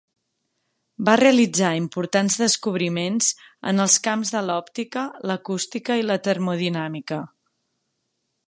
Va realitzar importants descobriments en els camps de l'òptica, l'acústica i la termodinàmica.